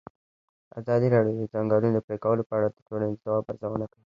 ازادي راډیو د د ځنګلونو پرېکول په اړه د ټولنې د ځواب ارزونه کړې.